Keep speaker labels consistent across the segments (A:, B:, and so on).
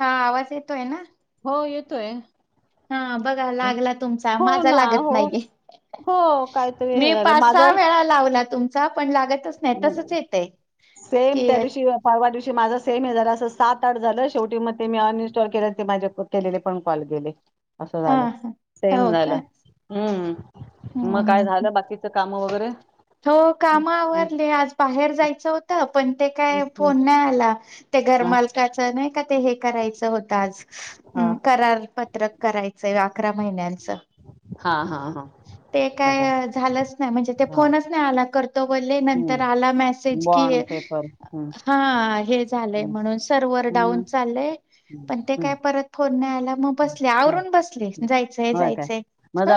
A: हा आवाज येतोय ना?
B: हो येतोय.
A: हा बघा लागला तुमचा
B: हो
A: माझा
B: ना
A: लागत
B: हो
A: नाहीये,
B: हो काहीतरी हे
A: मी
B: झालं
A: पाच सहा
B: माझं
A: वेळा- लावला तुमचा पण लागतच नाही तसच येतय.
B: सेम
A: की
B: त्या दिवशी परवा दिवशी माझा सेम हे जरास सात आठ झालं शेवटी मग ते मी- स्टॉल के ते माझे केले पण कॉल केले- असं
A: हा
B: झालं
A: हा.
B: सेम
A: हो का
B: झालं, हम्. मग काय
A: हम्म
B: झालं बाकीच काम? वगैरे-
A: हो
B: हम्म,
A: काम
B: हम्म,
A: आवरली, आज बाहेर जायचं होतं. पण ते
B: हम्म,
A: काय
B: हम्म.
A: फोन नाही आला, ते घर
B: हा
A: मालकाच नाही का ते- करायचं होतं आज
B: हा
A: करार पत्रक करायचं, अकरा महिन्यांचं.
B: हा हा
A: ते
B: हा हा,
A: काय झालंच नाही, म्हणजे
B: हा.
A: फोनच नाही आला- ले नंतर
B: हम्म
A: आला मेसेज कि,
B: बॉन्ड पेपर हम्म
A: हा, हे झालंय
B: हम्म
A: म्हणून सर्वर डाऊन
B: हम्म
A: चाललंय-
B: हम्म
A: पण ते काय
B: हम्म
A: परत फोन नाय आल- मग बसले
B: हम्म.
A: आवरून बसले, जायचंय,
B: होय काय
A: जायचंय-
B: मग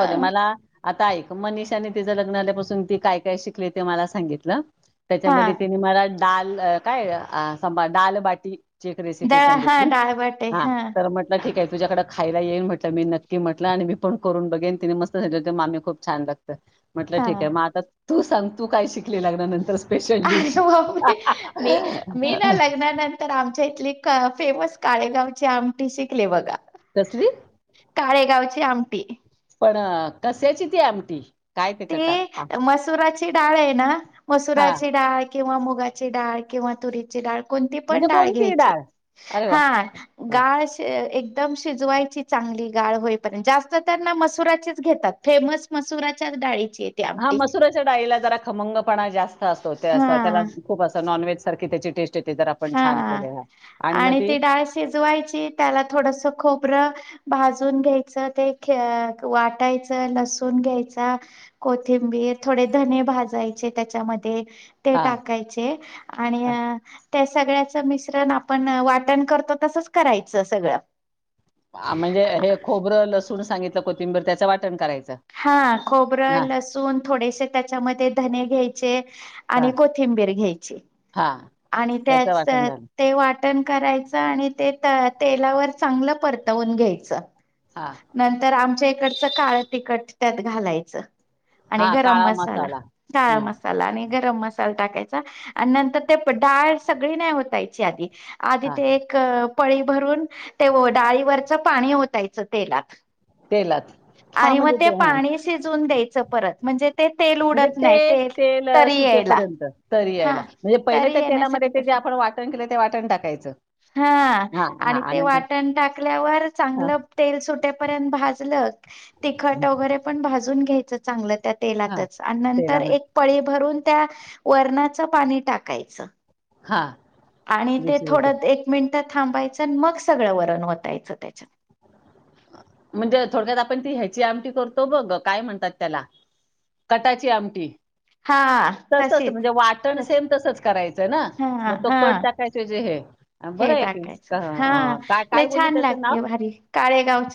B: ल काय काय शली मला सांगित त्याच्या
A: हा
B: म [unintelligible] ाल काय सभ ालबाटी [unintelligible] एक रेसिपी
A: डाळ हा
B: सांगितली
A: डाळवाटे
B: हा तर म्हटलं ठीक आहे. तुझ्याकडे खायला येईन म्हटलं, मी नक्की म्हटलं आणि मी पण करून बघेन, तिने मस्त झाली मामी खूप छान लागते. म्हटलं
A: हा
B: ठीक आहे, मग आता तू सांग तू काय शिकले लगना नंतर-
A: अरे म मी मी मी ना लग्नानंतर आमच्या इथली [unintelligible] फेमस काळेगावची आमटी शिकले बघा.
B: कसली
A: काळेगावची आमटी.
B: पण कश्याची ती आमटी? काय त्याच्यात
A: ते मसुरा ची ची डाळ आहे ना
B: हा
A: मसुराची डाळ किंवा मुगाची डाळ किंवा तुरीची डाळ कोणती
B: म्हणजे
A: पण डाळ
B: कोणती
A: घ्यायची
B: डाळ अरे वा
A: हा गाळ एक एकदम शिजवायची चांगली गाळ होईपर्यंत जास्त त्यांना मसुराचीच घेतात फेमस मसुरा चार डाळी
B: हा मसुराच्या डाळीला जरा खमंगपणा जास्त असतो ते अस त्याला
A: हा
B: खूप अस नॉनव्हेज सारखी त्याची टेस्ट येते जर आपण छान
A: हा
B: केले हां मग
A: आणि ती डाळ शिजवायची त्याला थोडस खोबरं भाजून घ्यायचं ते ख वाटायचं लसून घ्यायच कोथिंबीर थोडे धने भाजायचे त्याच्यामध्ये ते
B: हां,
A: टाकायचे आणि अ त्या सगळ्याच मिश्रण आपण वाटण करतो तसच करायचं सगळं
B: म्हणजे हे खोबरं लसूण सांगितलं कोथिंबीर त्याचं वाटण करायचं
A: हा खोबरं
B: हां,
A: लसूण थोडेसे त्याच्यामध्ये धने घ्यायचे
B: हां,
A: आणि कोथिंबीर बीर घ्यायची
B: हां
A: आणि
B: त्याचं
A: त्याच
B: वाटण झालं.
A: ते वाटण करायच आणि ते तला तेलावर चांगलं परतवून घ्यायचं
B: हां,
A: नंतर आमच्या इकडचं काळं तिखट त्यात घालायचं आणि
B: हां
A: गरम
B: काळा
A: मसाला काळा
B: हं,
A: मसाला आणि गरम मसाला टाकायचा आणि नंतर ते प डाळ सगळी नाही होतायची आधी आधी
B: हां
A: ते एक पळी भरून ते ओ डाळीवरच पाणी ओतायचं तेलात
B: तेलाात
A: आणि मग ते पाणी शिजून द्यायचं परत म्हणजे ते तेल
B: म्हणजे
A: उडत नाही तेल तरी
B: ते
A: यायला
B: पर्यंत तरी यायला
A: हा
B: म्हणजे पहिले
A: तरी
B: त्या तेलामध्ये
A: येण्यासाठी
B: ते जे
A: तसं
B: आपण वाटण केलं ते वाटण टाकायचं
A: हा
B: हां, हां
A: आणि ते वाटण टाकल्यावर
B: हां,
A: चांगलं तेल सुटेपर्यंत भाज जल तिखट वगैरे पण भाजून घ्यायच चांगलं त्या
B: हां
A: तेलातच आणि नंतर
B: तेलामध्ये
A: एक पळी भरून त्या वरणाचं पाणी टाकायचं
B: हं
A: आणि ते थोड ते एक मिनट थांबायच मग सगळं वरण होतायचं त्याच्यात
B: म्हणजे थोडक्यात आपण ती ह्याची आमटी करतो बघ काय म्हणतात त्याला कटाची आमटी.
A: हं
B: तसच म्हणजे वाटण सेम तसच करायचंय ना
A: हा
B: मग तो कट
A: हा
B: टाकायचे हे
A: हे
B: बरं आहे की
A: टाकायचं हा
B: तर काय
A: लय
B: काय बोलली
A: छान
B: त्याचं नाव?
A: लागते भारी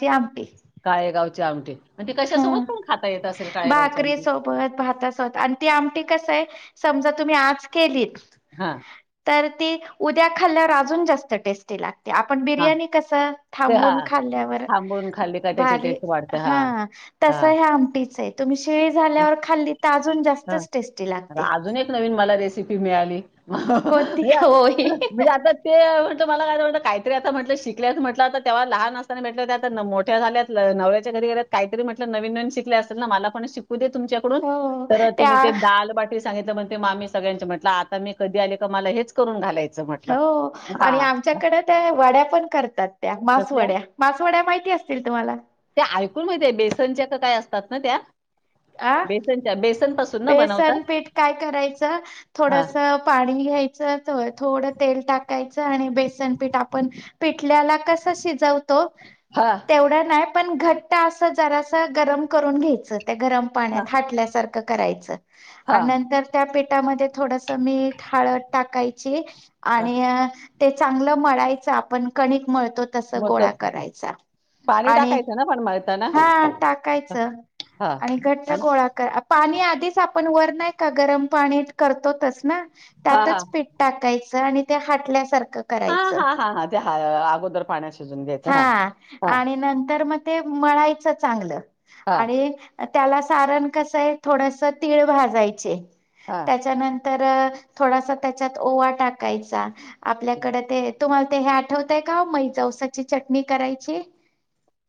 A: [unintelligible]
B: [unintelligible]
A: हा
B: कशासोबत पण खाता येत असेल काळेगावची आमटी
A: भाकरीसोबत भातासोबत आणि ती आमटी कसं हे समजा तुम्ही आज केलीत
B: हं
A: तर ती उद्या खाल्ल्यावर अजून जास्त टेस्टी लागते ते आपण
B: हा
A: बिर्याणी कस
B: ते हा
A: थांबून खाल्ल्यावर
B: थांबून खाल्ली का त्याची
A: भारी
B: टेस्ट वाढते हा
A: ह तस
B: हा
A: हे आमटीच आहे तुम्ही शेळी झाल्यावर खाल्ली त अजून
B: हा
A: जास्तच टेस्टी लागते.
B: नवीन [unintelligible] [inaudible] म्हट
A: कोणती होय
B: शिकल्या म्हटलंता तेव्हा लहान असताना भेट आ मोठ्या झाल्यात नवऱ्याच्या घरीत काहीरी म्हटल नविन नविन शिकल्या असतील ना मला पण शिकू दे तुमच्याकडून
A: हो
B: तर ताने ते
A: त्या
B: डाळ भाटी संगीता म्हणते मामी सगळ्यांंच म्हटलं आता मी कधी आले का मला हेच करून घालायचं. म्हटलं.
A: हो आणि
B: हां.
A: आमच्याकडे त्या वड्या पण करतात त्या.
B: कसल्या?
A: मासवड्या-मासवड्या माहिती असतील तुम्हाला.
B: होय माहिते बेसनाच्या असतात ना त्या
A: आ
B: बेसनाच्या.
A: बेसन पीठ काय करायचं.
B: हां.
A: थोडस पाणी घ्यायचं. थोड तेल टाकायचं. आणि बेसन पीठ आपण. पीठ ल्याला कस शिजवतो
B: हां.
A: तेवढ नाही. पण घट्ट असं जरास गरम करून घ्यायचं. त्या गरम पाण्यात
B: हां.
A: हाटल्यासारखं करायचं.
B: हां.
A: आणि नंतर त्या पिठामध्ये थोडस मीठ हळद टाकायची.
B: हां.
A: आणि ते चांगलं मळायचं. आपण कणिक मळतो तस
B: मग
A: गोळा
B: तसं.
A: करायचा.
B: पाणी
A: आणि
B: टाकायचं ना पण मळताना?
A: हा टाकायचं
B: हा
A: आणि घट्ट गोळा कर पाणी आधीच आपण वर नाही का गरम पाणी करतो तस ना.
B: हा हा
A: त्यातच पीठ टाकायचं. आणि त्या हाटल्यासारख.
B: हा
A: करायच
B: हा हा हा ते हा अगोदर पाण्यात शिजून घ्यायचं
A: हा
B: हा
A: आणि नंतर मग. ते मळायचं चांगलं.
B: हा
A: आणि त्याला सारण कस आहे ते. थोडस तीळ भाजायचे
B: हा
A: त्याच्यानंतर तर थोडासा त्याच्यात ओवा टाकायचा. आपल्याकडे ते तुम्हा ते हे आठवतय का. मै जावसाची चटणी करायची.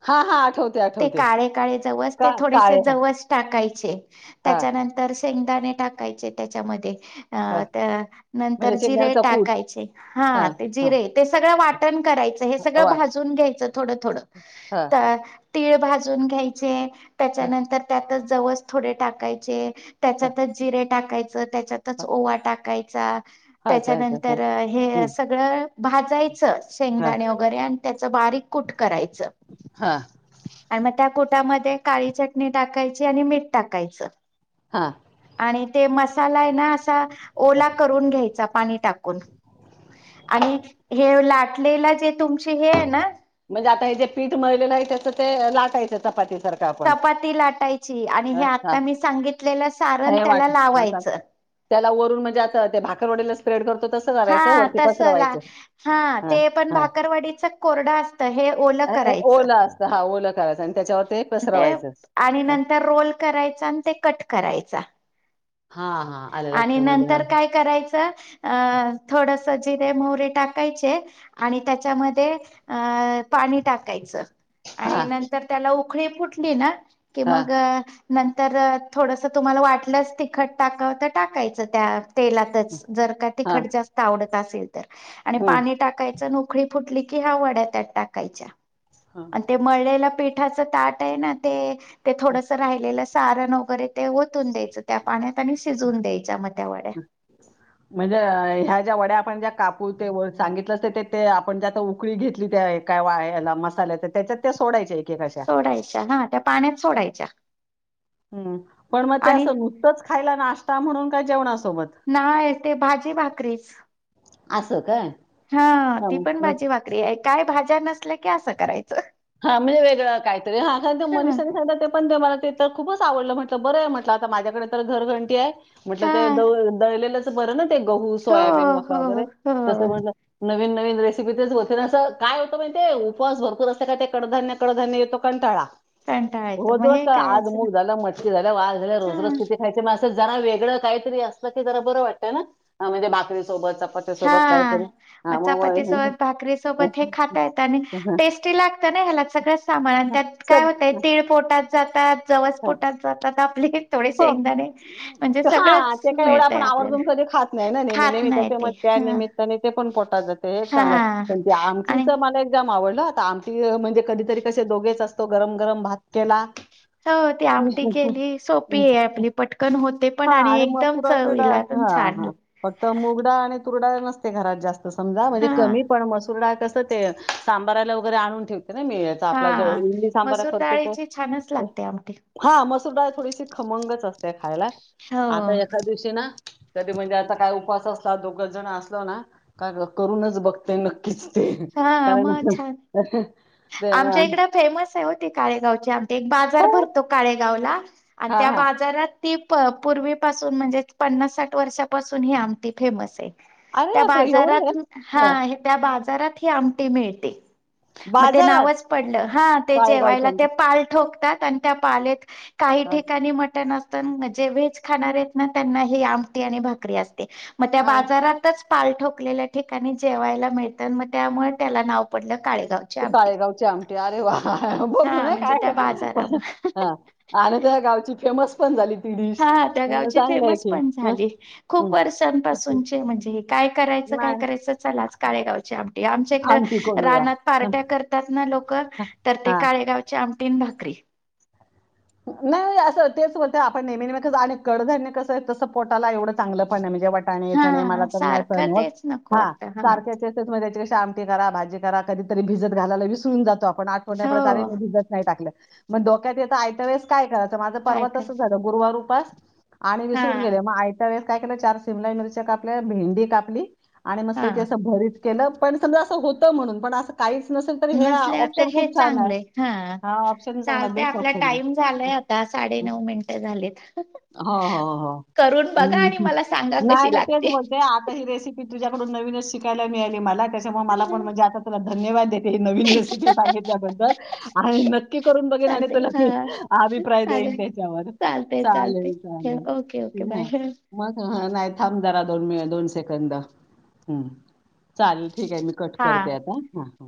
B: हा हा आठवते
A: ते
B: आठवते
A: काळे-काळे जवस
B: का
A: ते थोडेसे
B: काळे हा
A: जवस टाकायचे.
B: हा
A: त्याच्यानंतर शेंगदाणे टाकायचे त्याच्यामध्ये.
B: हा.
A: अ नंतर
B: म्हणजे
A: जिरे
B: शेंगदाण्याचा कूट
A: टाकायचे. हा ते जिरे ते सगळं वाटण करायचं हे
B: हा.
A: सगळं
B: वाट
A: भाजून घ्यायचं थोडं-थोडं
B: हा
A: तर. तीळ भाजून घ्यायचे.
B: हा
A: त्याच्यानंतर त्यातच जवच थोडे टाकायचे.
B: हा
A: त्याच्यातच जिरे टाकायचं. त्याच्यातच
B: हा
A: ओवा टाकायचा.
B: हा ते ते हा
A: त्याच्यानंतर हे
B: हम्म
A: सगळं भाजायचं.
B: हा
A: शेंगदाणे वगैरे आणि त्याच बारीक. कुट करायच
B: हा
A: आणि मग. त्या कुटामध्ये काळी चटणी टाकायची. आणि मीठ टाकायच.
B: हा
A: आणि ते मसाला आहे ना. असा
B: हा.
A: ओला करून घ्यायचा पाणी टाकून. आणि हे लाटलेला जे तुमचे हे आहे ना.
B: म्हणजे आता हे जे पीठ मळलेलं आहे. त्याचं ते लाटायचं चपाती. सारखं आपण
A: चपाती लाटायची. आणि हे
B: हा हा.
A: आता मी सांगितलेलं सारण
B: हे वाट
A: त्याला
B: हा चाल.
A: लावायचं.
B: त्याला वरून म्हणजे आता ते भाकरवडीला स्प्रेड करतो. त्या
A: हा तसला, हा ते पण भाकरवाडीचा कोरडा असत. हे ओल
B: अ- अ-
A: करायचं.
B: ओलं असतं हा ओलं करायचं आणि त्याच्यावर
A: ते
B: पसरवायचं.
A: आणि
B: हा
A: नंतर रोल करायचा न ते कट करायचा.
B: हा हा आलं
A: आणि
B: लक्षामध्ये हा.
A: नंतर काय करायचं अ थोड स जिरे, मोहरी टाकायचे आणि त्याच्यामध्ये अ पाणी टाकायचं.
B: हा
A: आणि नंतर त्याला उकळी फुटली ना की,
B: हा
A: मग नंतर थोडस तुम्हाला वाटलंच, तिखट टाका तर टाकायचं त्यात तेलातच जर का
B: हा
A: तिखट जास्त आवडत असेल तर, आणि
B: हम्म.
A: पाणी टाकायचं उकळी फुटली कि, हा वड्या त्यात टाकायच्या
B: हा
A: आणि ते मळलेला पिठाच ताट आहे ना ते ते थोडंस राहिलेलं सारण वगैरे ते ओतून द्यायचं, त्या पाण्यात आणि शिजून द्यायच्या म.
B: म्हणजे ह्या ज्या वड्या आपण ज्या कापून तेवर सांगितलं त ते, ते आपण जे आता उकळी घेतली त्या ए वायाला मसाल्याला त्या त्यात त्या सोडायच्या ए.
A: सोडायच्या, हा त्या पाण्यात सोडायच्या.
B: हम पण मग ते
A: आणि
B: असं नुसतंच खायला नाश्ता म्हणून का जेवणा अस
A: नाय, ते भाजी, भाकरीच
B: असं काय?
A: हा ती पण भाजी भाकरी हाय. काय भाज्या नसल्या की असं करायचं?
B: हां, म्हणजे वेगळं काहीतरी. हां, कारण ते
A: हा
B: मनीषाने सांगितलं ते पण ते मला ते तर खूपच आवडलं म्हटलं बरंय म्हटलं आता माझ्याकडे तर घरघंटी आहे म्हटलं ते
A: हा
B: दळले ल बर न ते गहू
A: हो
B: सोयाबीन म
A: हो
B: वगैरे तस
A: हो
B: म्ह नविन नवीन रेसिपी तेच हो काय होतं माहिते उपवास भरपूर असते काय ते कडधान्य कडधान्य येतो कंटाळा
A: कंटाळा येतो
B: रोज
A: मग
B: रज
A: हे
B: का
A: काय असं
B: आजमुग झालं मटली झाल्या वा झाल्या
A: हा
B: रोज रज किती खायचे म अस जरा वेगळ काहीतरी असल की जरा बर वाटतं म्हणजे‌ भाकरी
A: हा मग चपाती सोबत भाकरी सोबत हे खाता येत आणि
B: मग
A: टेस्टी लागत ह्यालात सगळं सामान आणि त्यात काय
B: सर
A: होतय तीळ पोटात जातात जवस पोटात जातात आपले थोडे
B: हो
A: शेंगदाणे म्हणजे
B: हा
A: सगळंच
B: ते का एवढं
A: मिळतय
B: आपण आवर्जून
A: आपल्याला
B: कधी खात नाही ना नेहमी
A: खात
B: नेहमी
A: नाही
B: त्याच्या मुळे
A: ते
B: त्या
A: हा
B: निमित्ताने ते पण पोटात जाते एक चांगलंय
A: हा
B: पण
A: आणि
B: आमटीच मला एक आवडलं आता आमची म्हणजे कधीतरी कसे दोघेच असतो गरम गरम भात केला
A: हो ती
B: की-
A: आमटी केली सोप सोपी आपली पटकन होते पण
B: हा
A: आणि एकदम
B: मसुरा
A: चवी
B: चिडा
A: ला पण छान
B: मसूरडाळ नसते घरात जास्त समजा म्हणजे
A: हा
B: कमी पण मसूरडाळ कसं ते सांबाराला वगैरे आणून ठेव नाही मिळाचा आपला जो
A: हा
B: इली सांबा
A: मसूर
B: खर्च त
A: डाळीची छानच लागते आमटी
B: हा मसूर डाळ खमंग च असते खायला
A: हो
B: आता एखादं दिवशी ना कधी म्हणजे काय आता दोघ जण असले ना तर करूनच बघते न तेच ते
A: हा
B: कारण
A: मग छान
B: ते
A: आमच्या इकडं फेमस आहे होती काळेगावचे आम एक बाजार
B: हो
A: भरतो काळेगावला आणि
B: हा
A: त्या
B: हा
A: बाजारात ती पूर्वीपासून म्हणजे पन्नास साठ वर्षापासून ही आमट फेमस आहे
B: अरे
A: त्या
B: बापरे एवढं
A: बाजारात
B: आहे?
A: हा त्या बाजारात ही आमटी मिळते मग ते
B: बाजारात
A: नावच पडलं हा ते
B: काळेगावची
A: जेवायला ते
B: आमटी
A: पाल ठोकतात आणि त्या पालेत काही
B: हा,
A: ठिकाणी मटण असतं जे व्हेज खाणारे आहेत ना त्यांना ही आमटी आणि भाकरी असते मग त्या
B: अरे
A: बाजारातच पाल ठोकलेल्या ठिकाणी जेवायला मिळतं मग त्यामुळे त्याला नाव पडलं काळे.
B: ते काळेगावचे आमटे अरे वा! बघू
A: हा
B: ना
A: म्हणजे त्या
B: काय पण
A: बाजारामुळे
B: आणि, गावची फेमस पण झाली ती डिश
A: हा त्या गावची
B: चांगलं आहे
A: फेमस
B: की
A: पण
B: हं,
A: झाली. खूप
B: हं.
A: वर्षांपासूनचे म्हणजे, हे काय करायचे? काय
B: नाही
A: करायचं चला आज काळेगाव आ आमच्या
B: आमटी
A: इकडं
B: करूया
A: रानात पार्ट्या करतात ना लोक तर ते
B: हा
A: काळेगावच्या आ तिन भाकरी
B: नाही असं तेच होतं आपण नेहमी आणि कडधान्य कसं तसं पोटाला एवढं चांगलं पण आहे म्हणजे वाट आणि
A: हा
B: याच नाही ते मला तर नाही
A: सारखं
B: सहन होत
A: तेच नको
B: हा
A: वाटत
B: सारखं च या मधे आमट करा भाजी करा कधीतरी भिजत घालायला विसरून जातो आपण आठवण्या पडते
A: हो
B: मी भिजत नाही टाकलं मग डोक्यात येतं आयत वेळेस काय करायचं माझं
A: काय
B: पर्वा
A: कर
B: तसं झालं गुरुवार उपास आणि
A: हा
B: विसरून गेले मग आयत्या वेळेस काय केलं चार शिमला मिरच्या कापल्या भेंडी कापली आणि मस्त
A: हा
B: की असं भरीत केलं पण समजा असं होतं म्हणून पण असं काहीच नसल तर हे
A: नसल्या तर
B: ऑप्शन
A: हे
B: खूप छान आहे
A: चांगलंय
B: हा ऑप्शनग
A: चालतय
B: बेस्ट
A: आपला
B: ऑप्शन
A: टाइम
B: आहे
A: झालाय आता साडे नऊ मिनट झालीत
B: हो हो हो हम्म
A: मला सांगा
B: नाही
A: कशी
B: नाही तेच
A: लागते
B: बोलते आता ही रेसिपी तुझ्याकडून नवीनच शिक यला मिळा मला त्याच्यामुळे मला पण म्हणजे आता तुला धन्यवाद देते नविन रेसिपी सांगितल्याबद्दल नक्की करून आणि तो
A: चालते हा
B: लपेल अभिप्राय देईन
A: चालेल
B: त्याच्यावर
A: चालते चालते
B: चालेल चालेल
A: ठेव ओके ओके
B: ह
A: बाय
B: म नाही थांब दरा दोन मि दोन सेकंद चालेल ठीक आहे मी कट
A: हा
B: करते आता हा